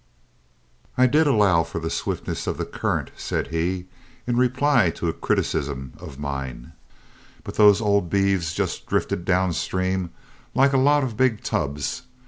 "I did allow for the swiftness of the current," said he, in reply to a criticism of mine, "but those old beeves just drifted downstream like a lot of big tubs.